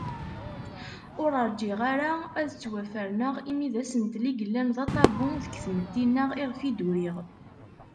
Ur rǧiɣ ara ad ttwaferneɣ imi d asentel i yellan d aṭabu deg tmetti-nneɣ i ɣef i d-uriɣ.